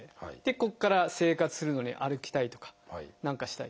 ここから生活するのに歩きたいとか何かしたい。